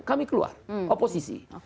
kami keluar oposisi